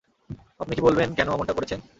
আপনি কি বলবেন কেন অমনটা করেছেন?